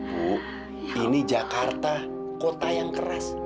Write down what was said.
bu ini jakarta kota yang keras